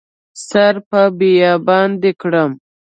سر په بیابان دې کړم